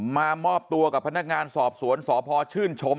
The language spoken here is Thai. มามอบตัวกับพนักงานสอบสวนสพชื่นชม